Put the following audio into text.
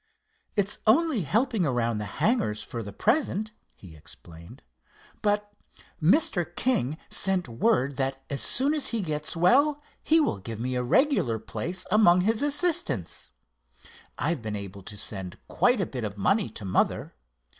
"It's only helping around the hangars for the present," he explained; "but Mr. King sent word that as soon as he gets well he will give me a regular place among his assistants. I've been able to send quite a bit of money to mother.